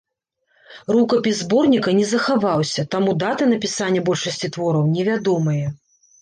Рукапіс зборніка не захаваўся, таму даты напісання большасці твораў невядомыя.